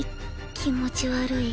気持ち悪い。